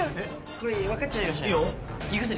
これ分かっちゃいました。